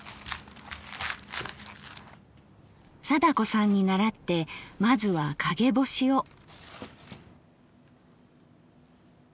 貞子さんに倣ってまずは陰干しを。